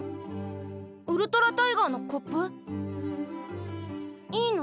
ウルトラタイガーのコップ？いいの？